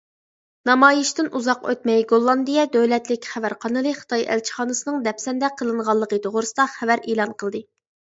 نامايىشتىن ئۇزاق ئۆتمەي، گوللاندىيە دۆلەتلىك خەۋەر قانىلى خىتاي ئەلچىخانىسىنىڭ دەپسەندە قىلىنغانلىقى توغرىسىدا خەۋەر ئېلان قىلدى.